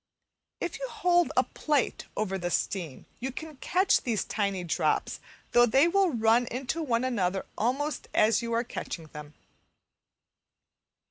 If you hold a plate over the steam you can catch these tiny drops, though they will run into one another almost as you are catching them.